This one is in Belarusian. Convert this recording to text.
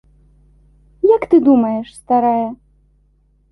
Як ты думаеш, старая?